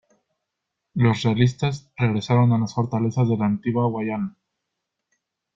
Los realistas regresaron a las fortalezas de la Antigua Guayana.